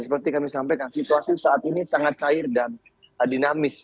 seperti kami sampaikan situasi saat ini sangat cair dan dinamis